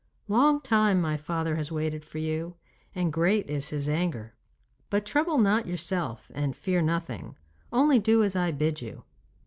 Long time my father has waited for you, and great is his anger. But trouble not yourself and fear nothing, only do as I bid you.